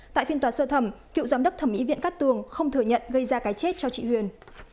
tại phiên tòa sơ thẩm cựu giám đốc thẩm mỹ viện cát tường không thừa nhận gây ra cái chết cho chị huyền